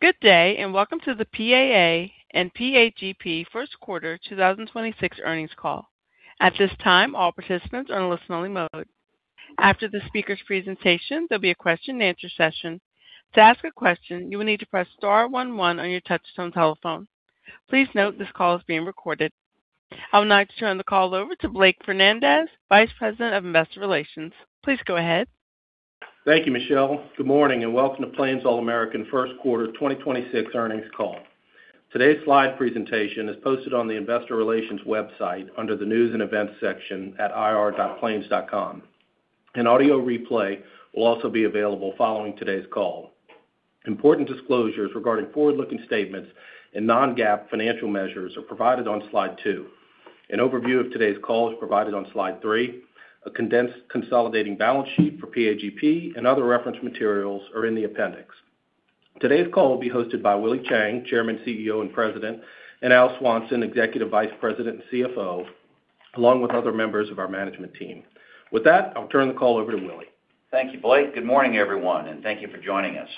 Good day, welcome to the PAA and PAGP first quarter 2026 earnings call. At this time, all participants are in listen-only mode. After the speaker's presentation, there'll be a question-and-answer session. To ask a question, you will need to press star one one on your touchtone telephone. Please note this call is being recorded. I would now like to turn the call over to Blake Fernandez, Vice President of Investor Relations. Please go ahead. Thank you, Michelle. Good morning, welcome to Plains All American first quarter 2026 earnings call. Today's slide presentation is posted on the investor relations website under the News and Events section at www.plains.com. An audio replay will also be available following today's call. Important disclosures regarding forward-looking statements and non-GAAP financial measures are provided on slide two. An overview of today's call is provided on slide three. A condensed consolidating balance sheet for PAGP and other reference materials are in the appendix. Today's call will be hosted by Willie Chiang, Chairman, CEO, and President, and Al Swanson, Executive Vice President and CFO, along with other members of our management team. With that, I'll turn the call over to Willie. Thank you, Blake. Good morning, everyone, and thank you for joining us.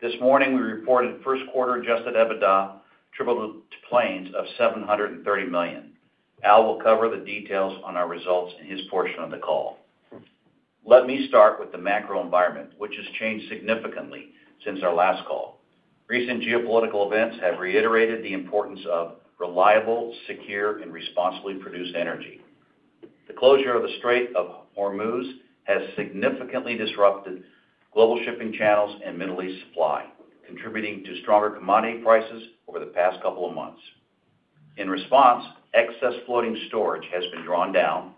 This morning, we reported first quarter Adjusted EBITDA attributable to Plains of $730 million. Al will cover the details on our results in his portion of the call. Let me start with the macro environment, which has changed significantly since our last call. Recent geopolitical events have reiterated the importance of reliable, secure, and responsibly produced energy. The closure of the Strait of Hormuz has significantly disrupted global shipping channels and Middle East supply, contributing to stronger commodity prices over the past couple of months. In response, excess floating storage has been drawn down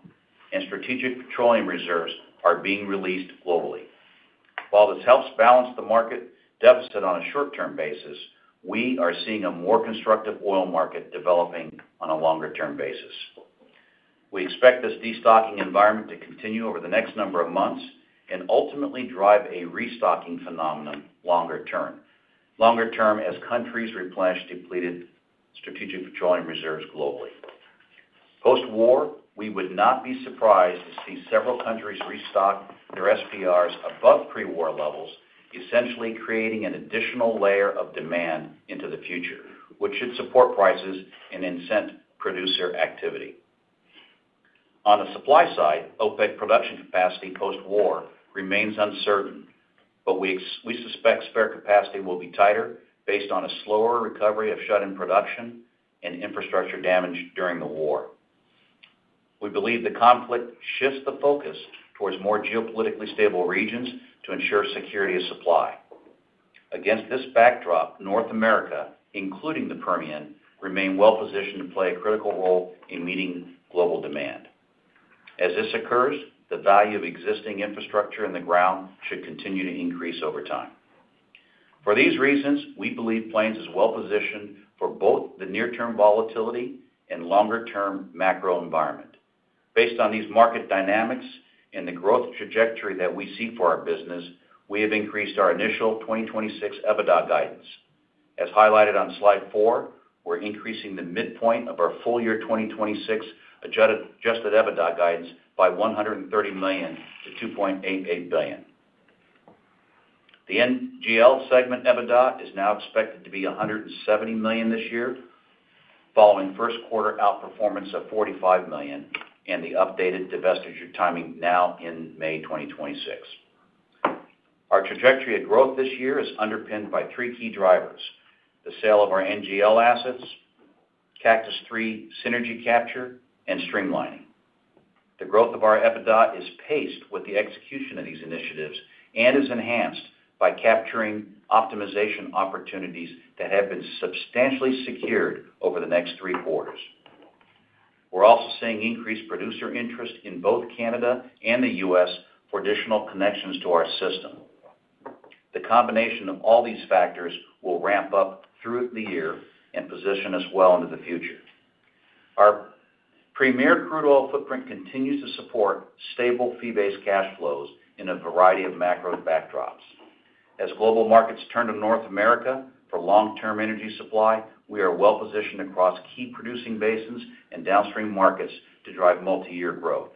and Strategic Petroleum Reserves are being released globally. While this helps balance the market deficit on a short-term basis, we are seeing a more constructive oil market developing on a longer-term basis. We expect this destocking environment to continue over the next number of months and ultimately drive a restocking phenomenon longer term. Longer term, as countries replenish depleted Strategic Petroleum Reserves globally. Post-war, we would not be surprised to see several countries restock their SPRs above pre-war levels, essentially creating an additional layer of demand into the future, which should support prices and incent producer activity. On the supply side, OPEC production capacity post-war remains uncertain, but we suspect spare capacity will be tighter based on a slower recovery of shut-in production and infrastructure damage during the war. We believe the conflict shifts the focus towards more geopolitically stable regions to ensure security of supply. Against this backdrop, North America, including the Permian, remain well positioned to play a critical role in meeting global demand. As this occurs, the value of existing infrastructure in the ground should continue to increase over time. For these reasons, we believe Plains is well positioned for both the near-term volatility and longer-term macro environment. Based on these market dynamics and the growth trajectory that we see for our business, we have increased our initial 2026 EBITDA guidance. As highlighted on slide four, we're increasing the midpoint of our full-year 2026 Adjusted EBITDA guidance by $130 million to $2.88 billion. The NGL segment EBITDA is now expected to be $170 million this year, following first quarter outperformance of $45 million and the updated divestiture timing now in May 2026. Our trajectory of growth this year is underpinned by three key drivers: the sale of our NGL assets, Cactus III synergy capture, and streamlining. The growth of our EBITDA is paced with the execution of these initiatives and is enhanced by capturing optimization opportunities that have been substantially secured over the next three quarters. We're also seeing increased producer interest in both Canada and the U.S. for additional connections to our system. The combination of all these factors will ramp up through the year and position us well into the future. Our premier crude oil footprint continues to support stable fee-based cash flows in a variety of macro backdrops. As global markets turn to North America for long-term energy supply, we are well-positioned across key producing basins and downstream markets to drive multiyear growth.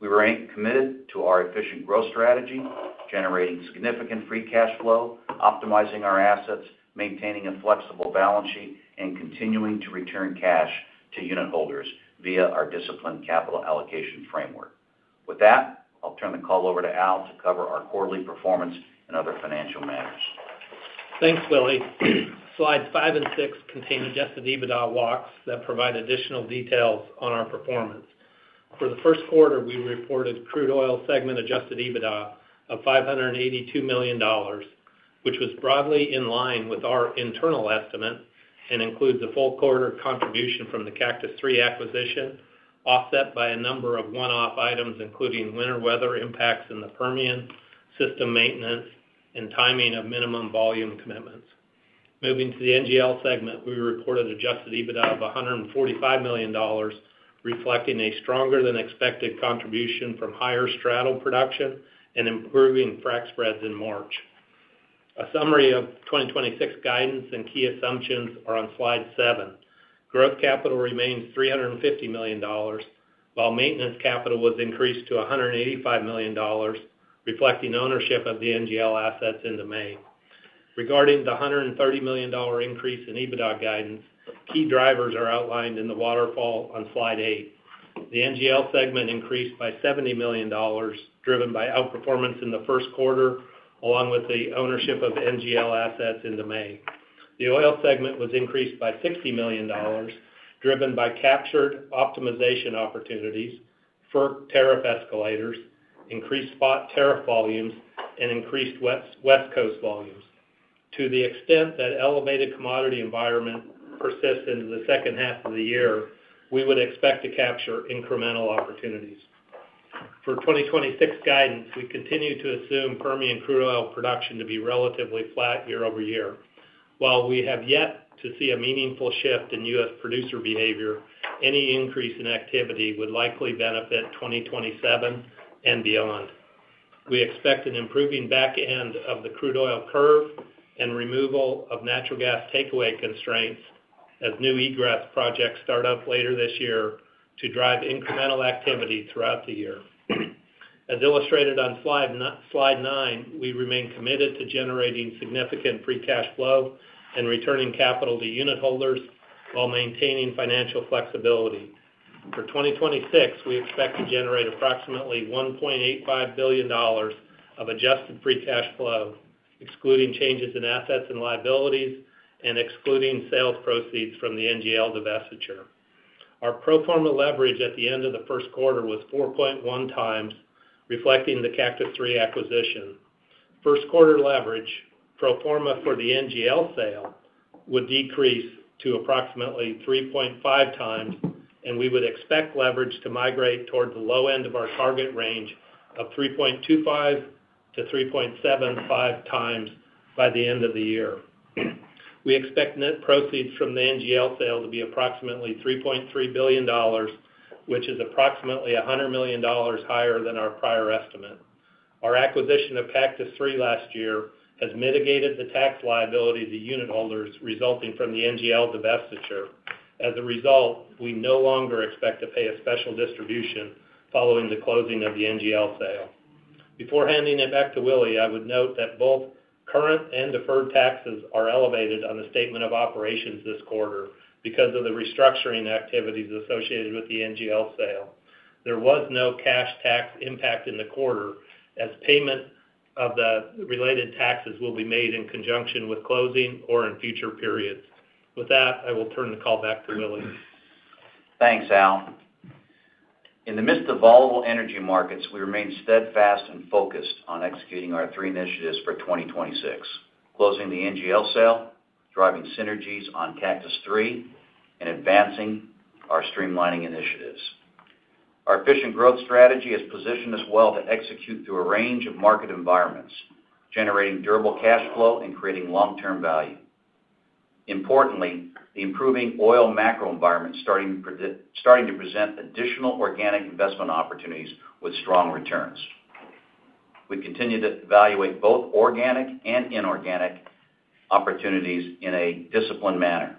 We remain committed to our efficient growth strategy, generating significant free cash flow, optimizing our assets, maintaining a flexible balance sheet, and continuing to return cash to unitholders via our disciplined capital allocation framework. With that, I'll turn the call over to Al to cover our quarterly performance and other financial matters. Thanks, Willie. Slide five and six contain Adjusted EBITDA walks that provide additional details on our performance. For the first quarter, we reported crude oil segment Adjusted EBITDA of $582 million, which was broadly in line with our internal estimate and includes a full quarter contribution from the Cactus III acquisition, offset by a number of one-off items, including winter weather impacts in the Permian, system maintenance, and timing of minimum volume commitments. Moving to the NGL segment, we reported Adjusted EBITDA of $145 million, reflecting a stronger than expected contribution from higher straddle production and improving frac spreads in March. A summary of 2026 guidance and key assumptions are on slide seven. Growth capital remains $350 million, while maintenance capital was increased to $185 million, reflecting ownership of the NGL assets into May. Regarding the $130 million increase in EBITDA guidance, key drivers are outlined in the waterfall on slide eight. The NGL segment increased by $70 million, driven by outperformance in the first quarter, along with the ownership of NGL assets into May. The oil segment was increased by $60 million, driven by captured optimization opportunities, FERC tariff escalators, increased spot tariff volumes, and increased West Coast volumes. To the extent that elevated commodity environment persists into the second half of the year, we would expect to capture incremental opportunities. For 2026 guidance, we continue to assume Permian crude oil production to be relatively flat year-over-year. While we have yet to see a meaningful shift in U.S. producer behavior, any increase in activity would likely benefit 2027 and beyond. We expect an improving back end of the crude oil curve and removal of natural gas takeaway constraints as new egress projects start up later this year to drive incremental activity throughout the year. As illustrated on slide nine, we remain committed to generating significant free cash flow and returning capital to unitholders while maintaining financial flexibility. For 2026, we expect to generate approximately $1.85 billion of adjusted free cash flow, excluding changes in assets and liabilities and excluding sales proceeds from the NGL divestiture. Our pro forma leverage at the end of the first quarter was 4.1x, reflecting the Cactus III acquisition. First quarter leverage, pro forma for the NGL sale would decrease to approximately 3.5x, and we would expect leverage to migrate towards the low end of our target range of 3.25x-3.75x by the end of the year. We expect net proceeds from the NGL sale to be approximately $3.3 billion, which is approximately $100 million higher than our prior estimate. Our acquisition of Cactus III last year has mitigated the tax liability to unitholders resulting from the NGL divestiture. As a result, we no longer expect to pay a special distribution following the closing of the NGL sale. Before handing it back to Willie, I would note that both current and deferred taxes are elevated on the statement of operations this quarter because of the restructuring activities associated with the NGL sale. There was no cash tax impact in the quarter, as payment of the related taxes will be made in conjunction with closing or in future periods. I will turn the call back to Willie. Thanks, Al. In the midst of volatile energy markets, we remain steadfast and focused on executing our three initiatives for 2026: closing the NGL sale, driving synergies on Cactus III, and advancing our streamlining initiatives. Our efficient growth strategy has positioned us well to execute through a range of market environments, generating durable cash flow and creating long-term value. Importantly, the improving oil macro environment starting to present additional organic investment opportunities with strong returns. We continue to evaluate both organic and inorganic opportunities in a disciplined manner.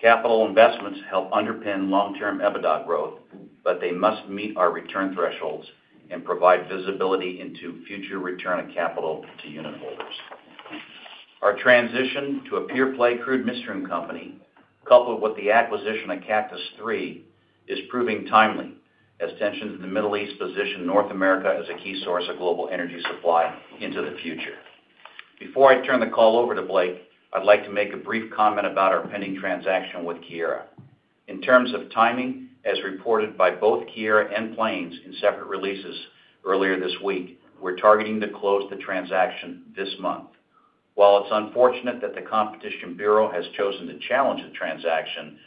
Capital investments help underpin long-term EBITDA growth, but they must meet our return thresholds and provide visibility into future return of capital to unitholders. Our transition to a pure-play crude midstream company, coupled with the acquisition of Cactus III, is proving timely as tensions in the Middle East position North America as a key source of global energy supply into the future. Before I turn the call over to Blake, I'd like to make a brief comment about our pending transaction with Keyera. In terms of timing, as reported by both Keyera and Plains in separate releases earlier this week, we're targeting to close the transaction this month. While it's unfortunate that the Competition Bureau has chosen to challenge the transaction,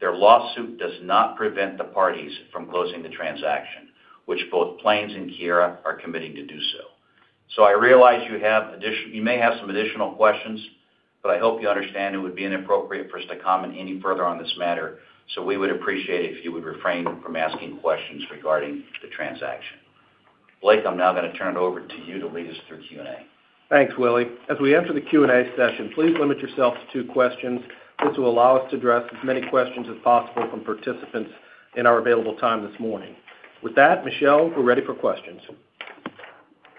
their lawsuit does not prevent the parties from closing the transaction, which both Plains and Keyera are committing to do so. I realize you may have some additional questions, but I hope you understand it would be inappropriate for us to comment any further on this matter. We would appreciate it if you would refrain from asking questions regarding the transaction. Blake, I'm now gonna turn it over to you to lead us through Q&A. Thanks, Willie. As we enter the Q&A session, please limit yourself to two questions. This will allow us to address as many questions as possible from participants in our available time this morning. With that, Michelle, we're ready for questions.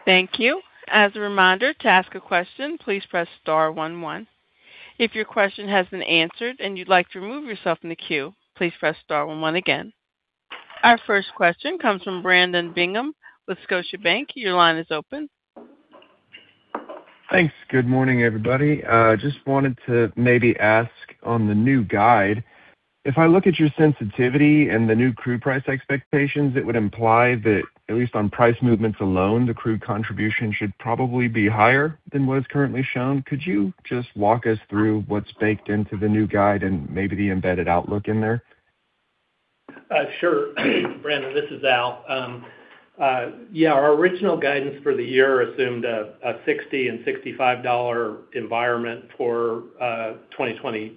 Thank you. As a reminder to ask a question, please press star one one. If your question has been answered and you'd like to remove yourself from the queue, please press star one one again. Our first question comes from Brandon Bingham with Scotiabank. Your line is open. Thanks. Good morning, everybody. Just wanted to maybe ask on the new guide, if I look at your sensitivity and the new crude price expectations, it would imply that at least on price movements alone, the crude contribution should probably be higher than what is currently shown. Could you just walk us through what's baked into the new guide and maybe the embedded outlook in there? Sure. Brandon, this is Al. Yeah, our original guidance for the year assumed a $60 and $65 environment for 2026,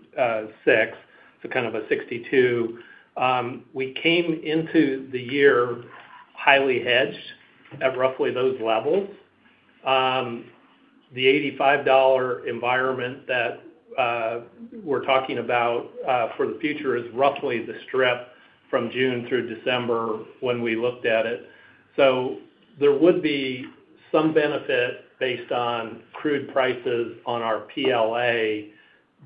so kind of a $62. We came into the year highly hedged at roughly those levels. The $85 environment that we're talking about for the future is roughly the strip from June through December when we looked at it. There would be some benefit based on crude prices on our PLA,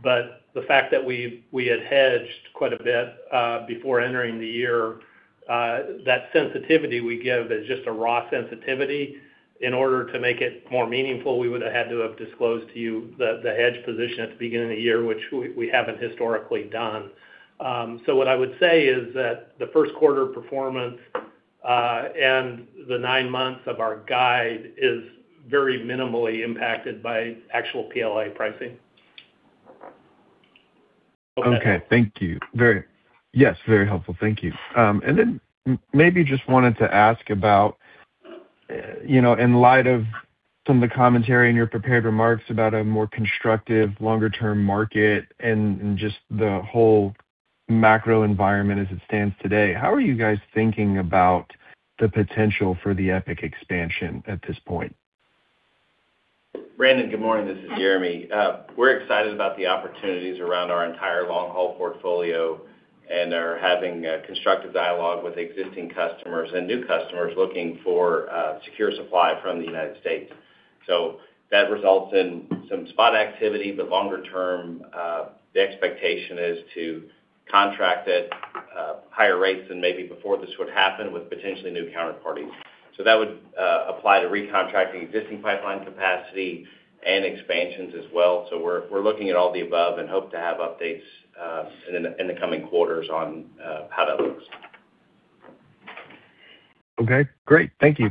but the fact that we had hedged quite a bit before entering the year, that sensitivity we give is just a raw sensitivity. In order to make it more meaningful, we would have had to have disclosed to you the hedge position at the beginning of the year, which we haven't historically done. What I would say is that the 1st quarter performance and the nine months of our guide is very minimally impacted by actual PLA pricing. Okay. Thank you. Very Yes, very helpful. Thank you. Maybe just wanted to ask about, you know, in light of some of the commentary in your prepared remarks about a more constructive longer-term market and just the whole macro environment as it stands today, how are you guys thinking about the potential for the EPIC expansion at this point? Brandon, good morning. This is Jeremy. We're excited about the opportunities around our entire long-haul portfolio, and are having a constructive dialogue with existing customers and new customers looking for secure supply from the U.S. That results in some spot activity. Longer term, the expectation is to contract at higher rates than maybe before this would happen with potentially new counterparties. That would apply to recontracting existing pipeline capacity and expansions as well. We're looking at all the above and hope to have updates in the coming quarters on how that looks. Okay, great. Thank you.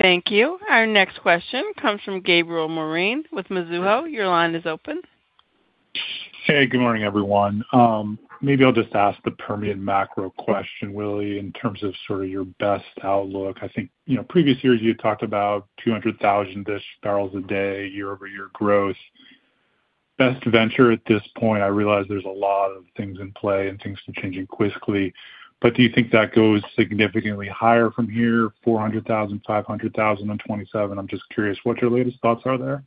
Thank you. Our next question comes from Gabriel Moreen with Mizuho. Your line is open. Hey, good morning, everyone. Maybe I'll just ask the Permian macro question, Willie, in terms of sort of your best outlook. I think, you know, previous years you had talked about 200,000-ish barrels a day, year-over-year growth. Best venture at this point, I realize there's a lot of things in play and things are changing quickly, but do you think that goes significantly higher from here, 400,000 barrels, 500,000 barrels in 2027? I'm just curious what your latest thoughts are there.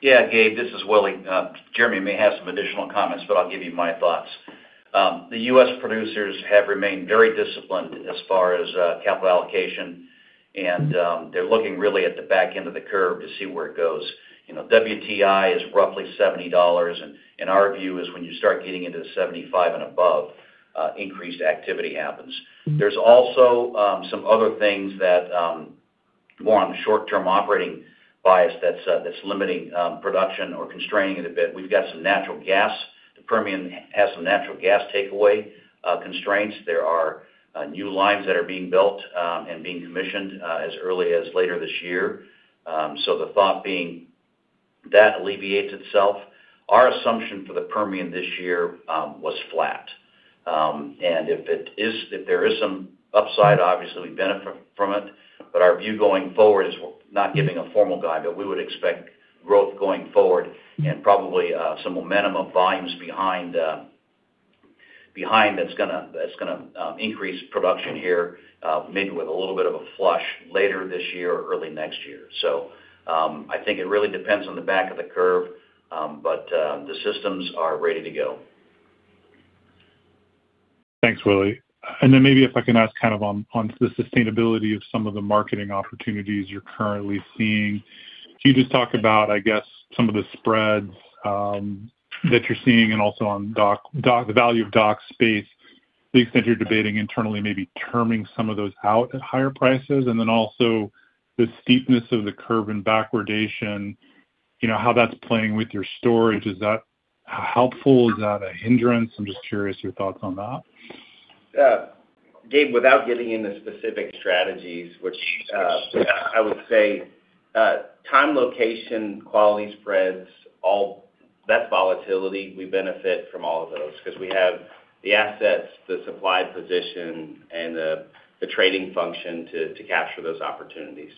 Yeah, Gabe, this is Willie. Jeremy may have some additional comments, but I'll give you my thoughts. The U.S. producers have remained very disciplined as far as capital allocation. They're looking really at the back end of the curve to see where it goes. You know, WTI is roughly $70, and our view is when you start getting into the $75 and above, increased activity happens. There's also some other things that more on the short-term operating bias that's limiting production or constraining it a bit. We've got some natural gas. The Permian has some natural gas takeaway constraints. There are new lines that are being built and being commissioned as early as later this year. The thought being that alleviates itself. Our assumption for the Permian this year was flat. If there is some upside, obviously, we benefit from it. Our view going forward is not giving a formal guide, but we would expect growth going forward and probably some momentum of volumes behind that's gonna increase production here, maybe with a little bit of a flush later this year or early next year. I think it really depends on the back of the curve, but the systems are ready to go. Thanks, Willie. Maybe if I can ask kind of on the sustainability of some of the marketing opportunities you're currently seeing. Can you just talk about, I guess, some of the spreads that you're seeing and also the value of dock space, the extent you're debating internally, maybe terming some of those out at higher prices? Also the steepness of the curve and backwardation, you know, how that's playing with your storage. Is that helpful? Is that a hindrance? I'm just curious your thoughts on that. Gabe, without getting into specific strategies, which, I would say, time, location, quality spreads, all that volatility, we benefit from all of those 'cause we have the assets, the supply position, and the trading function to capture those opportunities.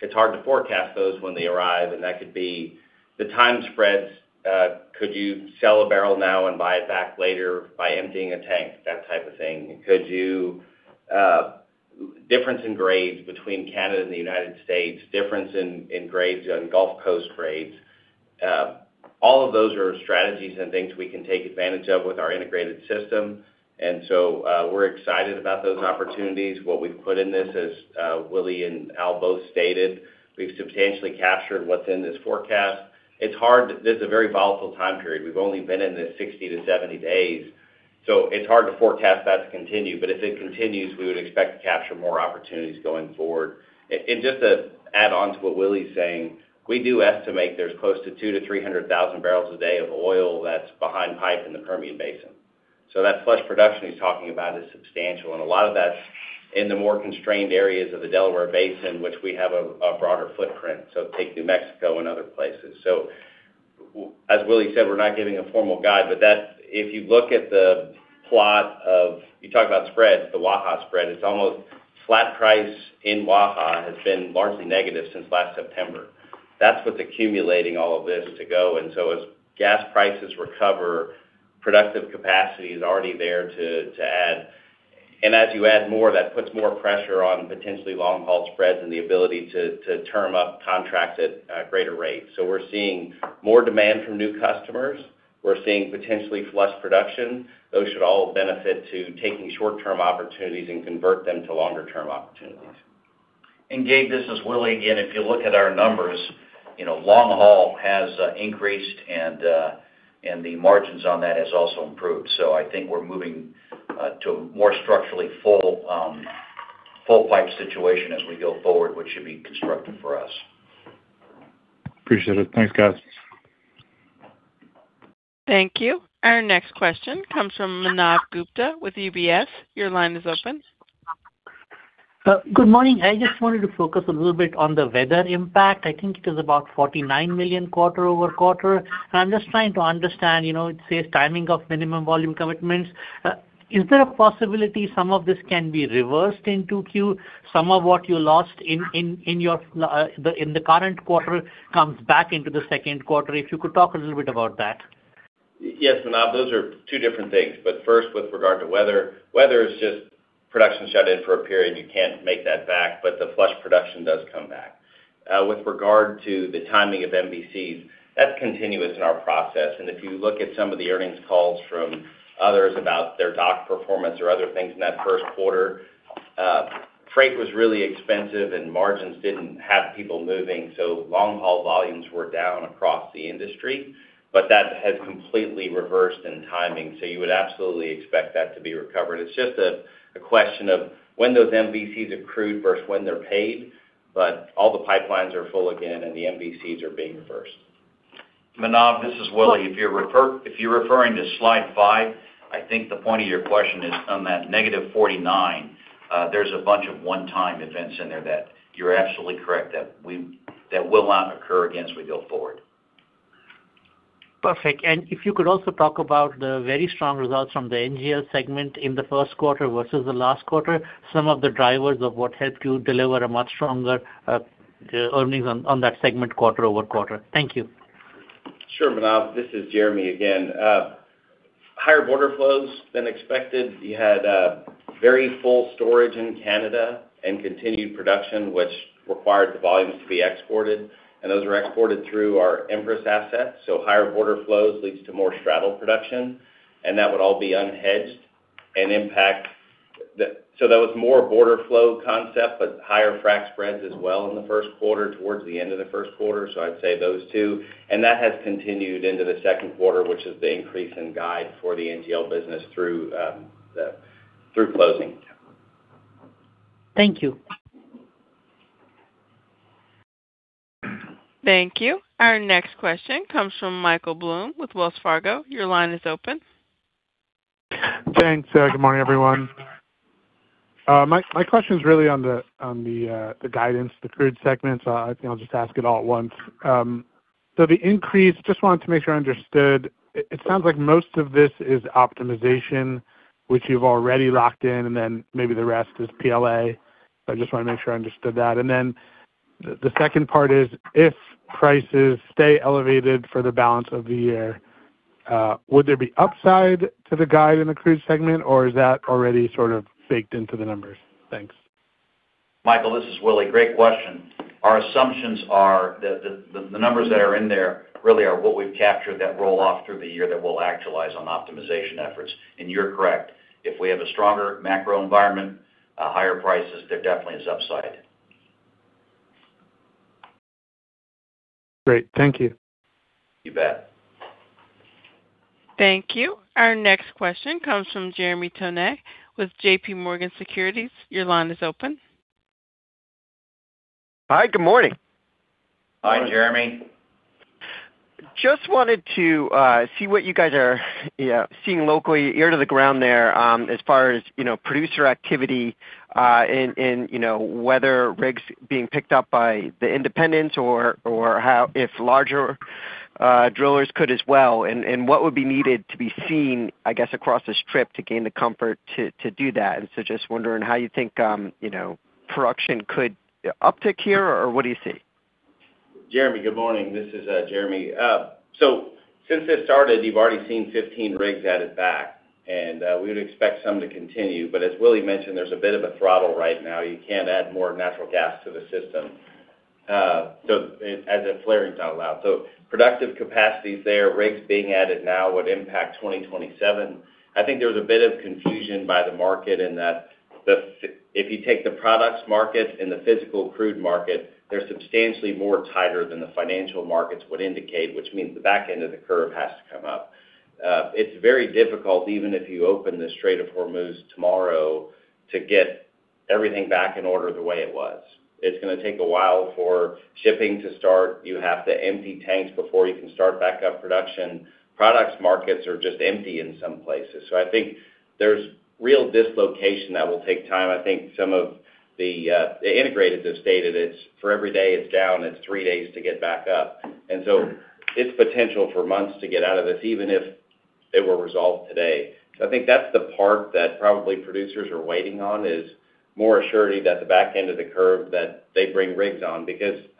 It's hard to forecast those when they arrive, and that could be the time spreads. Could you sell a barrel now and buy it back later by emptying a tank? That type of thing. Could you, difference in grades between Canada and the U.S., difference in grades on Gulf Coast grades. All of those are strategies and things we can take advantage of with our integrated system. We're excited about those opportunities. What we've put in this, as Willie and Al both stated, we've substantially captured what's in this forecast. It's hard. This is a very volatile time period. We've only been in this 60-70 days, so it's hard to forecast that to continue. If it continues, we would expect to capture more opportunities going forward. Just to add on to what Willie's saying, we do estimate there's close to 200,000 barrels-300,000 barrels a day of oil that's behind pipe in the Permian Basin. That flush production he's talking about is substantial. A lot of that's in the more constrained areas of the Delaware Basin, which we have a broader footprint, so take New Mexico and other places. As Willie said, we're not giving a formal guide, but you talk about spreads, the Waha spread. It's almost flat price in Waha has been largely negative since last September. That's what's accumulating all of this to go. As gas prices recover, productive capacity is already there to add. As you add more, that puts more pressure on potentially long-haul spreads and the ability to term up contracts at a greater rate. We're seeing more demand from new customers. We're seeing potentially flush production. Those should all benefit to taking short-term opportunities and convert them to longer term opportunities. Gabe, this is Willie again. If you look at our numbers, you know, long haul has increased and the margins on that has also improved. I think we're moving to a more structurally full pipe situation as we go forward, which should be constructive for us. Appreciate it. Thanks, guys. Thank you. Our next question comes from Manav Gupta with UBS. Your line is open. Good morning. I just wanted to focus a little bit on the weather impact. I think it is about $49 million quarter-over-quarter. I'm just trying to understand, you know, it says timing of Minimum Volume Commitments. Is there a possibility some of this can be reversed in 2Q? Some of what you lost in your, in the current quarter comes back into the second quarter? If you could talk a little bit about that. Yes, Manav. Those are 2 different things. First with regard to weather is just production shut-in for a period. You can't make that back, the flush production does come back. With regard to the timing of MVCs, that's continuous in our process. If you look at some of the earnings calls from others about their dock performance or other things in that first quarter, freight was really expensive and margins didn't have people moving, long-haul volumes were down across the industry. That has completely reversed in timing, you would absolutely expect that to be recovered. It's just a question of when those MVCs accrued versus when they're paid, all the pipelines are full again and the MVCs are being reversed. Manav, this is Willie. If you're referring to slide five, I think the point of your question is on that -49, there's a bunch of one-time events in there that you're absolutely correct that will not occur again as we go forward. Perfect. If you could also talk about the very strong results from the NGL segment in the first quarter versus the last quarter, some of the drivers of what helped you deliver a much stronger earnings on that segment quarter-over-quarter? Thank you. Sure, Manav. This is Jeremy again. Higher border flows than expected. You had very full storage in Canada and continued production, which required the volumes to be exported, and those were exported through our Empress asset. Higher border flows leads to more straddle production, and that would all be unhedged. That was more border flow concept, but higher frac spreads as well in the first quarter, towards the end of the first quarter. I'd say those two. That has continued into the second quarter, which is the increase in guide for the NGL business through closing. Thank you. Thank you. Our next question comes from Michael Blum with Wells Fargo. Your line is open. Thanks. Good morning, everyone. My question is really on the guidance, the crude oil segment. I think I'll just ask it all at once. Just wanted to make sure I understood. It sounds like most of this is optimization, which you've already locked in, and then maybe the rest is PLA. I just wanna make sure I understood that. The second part is, if prices stay elevated for the balance of the year, would there be upside to the guide in the crude oil segment, or is that already sort of baked into the numbers? Thanks. Michael, this is Willie. Great question. Our assumptions are the numbers that are in there really are what we've captured that roll off through the year that will actualize on optimization efforts. You're correct. If we have a stronger macro environment, higher prices, there definitely is upside. Great. Thank you. You bet. Thank you. Our next question comes from Jeremy Tonet with JPMorgan Securities. Your line is open. Hi, good morning. Hi, Jeremy. Just wanted to see what you guys are, yeah, seeing locally, ear to the ground there, as far as, you know, producer activity, in, you know, whether rigs being picked up by the independents or, if larger drillers could as well, and what would be needed to be seen, I guess, across this trip to gain the comfort to do that. Just wondering how you think, you know, production could uptick here, or what do you see? Jeremy, good morning. This is Jeremy. Since this started, you've already seen 15 rigs added back, and we would expect some to continue. As Willie mentioned, there's a bit of a throttle right now. You can't add more natural gas to the system, flaring's not allowed. Productive capacities there, rigs being added now would impact 2027. I think there was a bit of confusion by the market in that if you take the products market and the physical crude market, they're substantially more tighter than the financial markets would indicate, which means the back end of the curve has to come up. It's very difficult, even if you open the Strait of Hormuz tomorrow, to get everything back in order the way it was. It's gonna take a while for shipping to start. You have to empty tanks before you can start back up production. Products markets are just empty in some places. I think there's real dislocation that will take time. I think some of the integrated have stated it's for every day it's down, it's three days to get back up. It's potential for months to get out of this, even if they were resolved today. I think that's the part that probably producers are waiting on, is more assurity that the back end of the curve that they bring rigs on.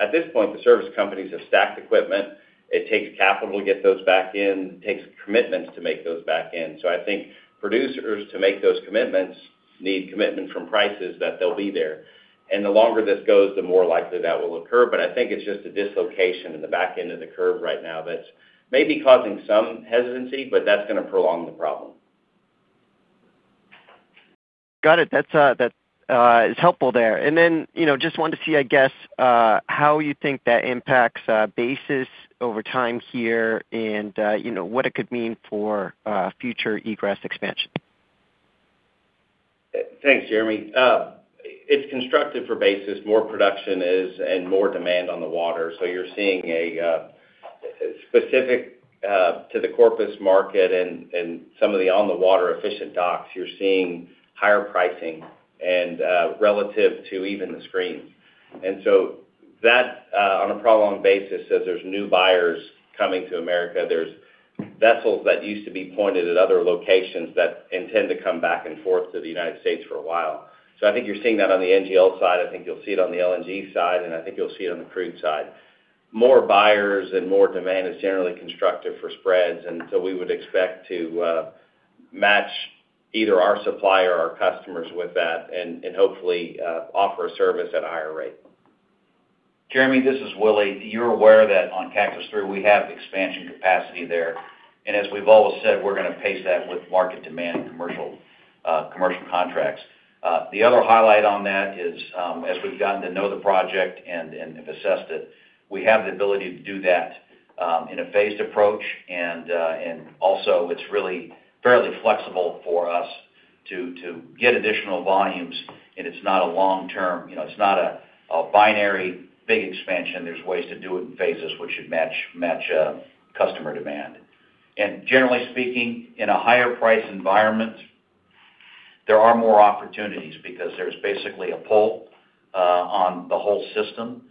At this point, the service companies have stacked equipment. It takes capital to get those back in. It takes commitments to make those back in. I think producers, to make those commitments, need commitment from prices that they'll be there. The longer this goes, the more likely that will occur. I think it's just a dislocation in the back end of the curve right now that's maybe causing some hesitancy, but that's gonna prolong the problem. Got it. That's, that, is helpful there. You know, just wanted to see, I guess, how you think that impacts, basis over time here and, you know, what it could mean for, future egress expansion. Thanks, Jeremy. It's constructive for basis. More production is and more demand on the water. You're seeing a specific to the Corpus market and some of the on-the-water efficient docks. You're seeing higher pricing and relative to even the screen. That on a prolonged basis, as there's new buyers coming to America, there's vessels that used to be pointed at other locations that intend to come back and forth to the United States for a while. I think you're seeing that on the NGL side. I think you'll see it on the LNG side, and I think you'll see it on the crude side. More buyers and more demand is generally constructive for spreads, and so we would expect to match either our supplier or our customers with that and hopefully, offer a service at a higher rate. Jeremy, this is Willie. You're aware that on Cactus III we have expansion capacity there. As we've always said, we're gonna pace that with market demand and commercial commercial contracts. The other highlight on that is, as we've gotten to know the project and have assessed it, we have the ability to do that in a phased approach. Also, it's really fairly flexible for us to get additional volumes, and it's not a long-term, you know, it's not a binary big expansion. There's ways to do it in phases which should match customer demand. Generally speaking, in a higher price environment, there are more opportunities because there's basically a pull on the whole system.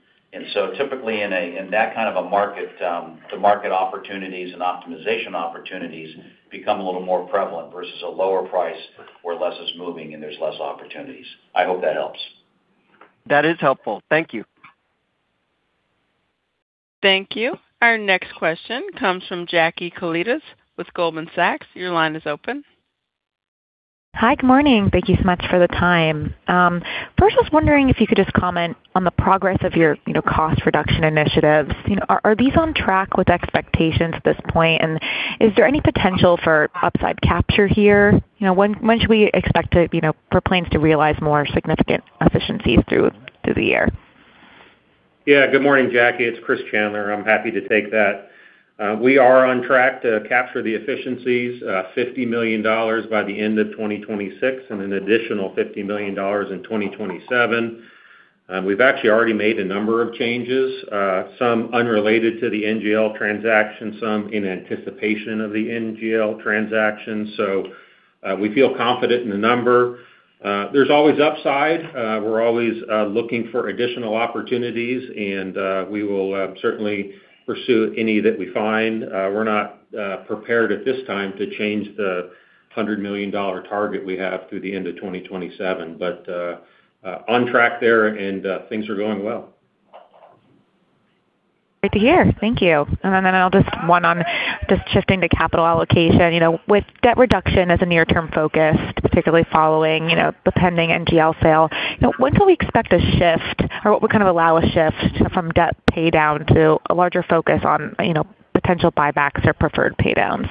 Typically in that kind of a market, the market opportunities and optimization opportunities become a little more prevalent versus a lower price where less is moving and there's less opportunities. I hope that helps. That is helpful. Thank you. Thank you. Our next question comes from Jackie Koletas with Goldman Sachs. Your line is open. Hi, good morning. Thank you so much for the time. First, I was wondering if you could just comment on the progress of your, you know, cost reduction initiatives. You know, are these on track with expectations at this point? Is there any potential for upside capture here? You know, when should we expect to, you know, for Plains to realize more significant efficiencies through the year? Good morning, John Mackay. It's Chris Chandler. I'm happy to take that. We are on track to capture the efficiencies, $50 million by the end of 2026 and an additional $50 million in 2027. We've actually already made a number of changes, some unrelated to the NGL transaction, some in anticipation of the NGL transaction. We feel confident in the number. There's always upside. We're always looking for additional opportunities, and we will certainly pursue any that we find. We're not prepared at this time to change the $100 million target we have through the end of 2027, on track there and things are going well. Great to hear. Thank you. I'll just one on just shifting to capital allocation. You know, with debt reduction as a near-term focus, particularly following, you know, the pending NGL sale, you know, when can we expect a shift or what would kind of allow a shift from debt paydown to a larger focus on, you know, potential buybacks or preferred paydowns?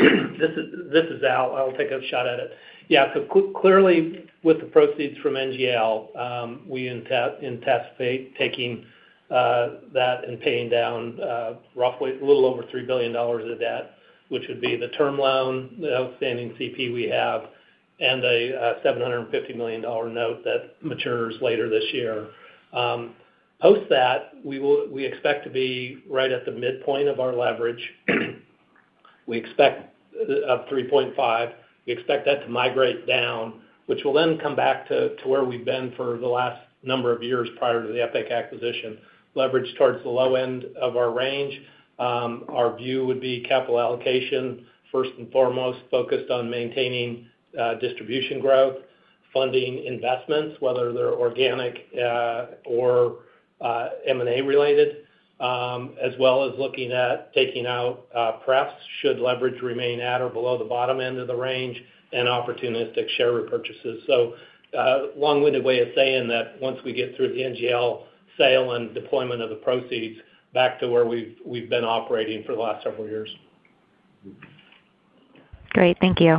This is Al. I'll take a shot at it. Yeah. Clearly, with the proceeds from NGL, we anticipate taking that and paying down roughly a little over $3 billion of debt, which would be the term loan, the outstanding CP we have, and a $750 million note that matures later this year. Post that, we expect to be right at the midpoint of our leverage. We expect 3.5x. We expect that to migrate down, which will then come back to where we've been for the last number of years prior to the EPIC acquisition, leverage towards the low end of our range. Our view would be capital allocation, first and foremost, focused on maintaining distribution growth, funding investments, whether they're organic or M&A-related, as well as looking at taking out pref should leverage remain at or below the bottom end of the range and opportunistic share repurchases. Long-winded way of saying that once we get through the NGL sale and deployment of the proceeds, back to where we've been operating for the last several years. Great. Thank you.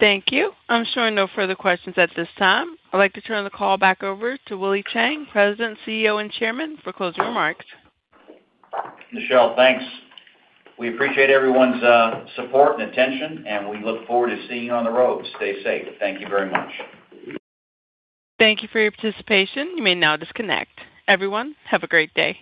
Thank you. I'm showing no further questions at this time. I'd like to turn the call back over to Willie Chiang, President, CEO, and Chairman, for closing remarks. Michelle, thanks. We appreciate everyone's support and attention. We look forward to seeing you on the road. Stay safe. Thank you very much. Thank you for your participation. You may now disconnect. Everyone, have a great day.